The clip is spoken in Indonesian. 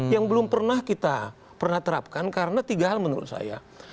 yang belum pernah kita pernah terapkan karena tiga hal menurut saya